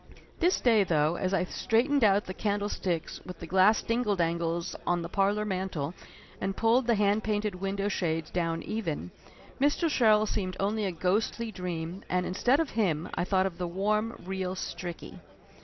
This day, though, as I straightened out the candle sticks with the glass dingle dangles on the parlor man tel and pulled the hand painted window shades down even, Mr. Sherrill seemed only a ghostly dream, and instead of him I thought of the warm, real Stricky.